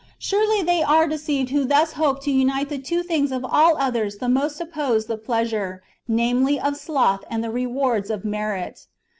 Surely they are deceived who thus hope to unite the two things of all others the most opposed — the pleasure, namely, of sloth and the rewards of merit.